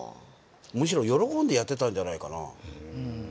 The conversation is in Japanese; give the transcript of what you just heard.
むしろ喜んでやってたんじゃないかな。